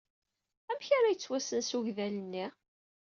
Amek ara yettwasnes ugdal-nni.